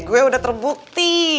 gue udah terbukti